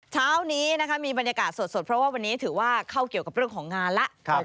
เช้านี้นะคะมีบรรยากาศสดเพราะว่าวันนี้ถือว่าเข้าเกี่ยวกับเรื่องของงานแล้ว